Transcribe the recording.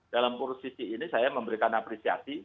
dalam posisi ini saya memberikan apresiasi